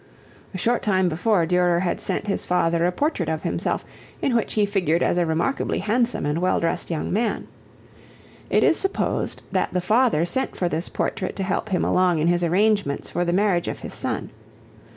A short time before Durer had sent his father a portrait of himself in which he figured as a remarkably handsome and well dressed young man. It is supposed that the father sent for this portrait to help him along in his arrangements for the marriage of his son.